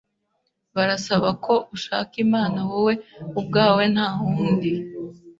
birasaba ko ushaka Imana wowe ubwawe nta wundi